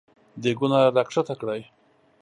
دېګونه راکښته کړی !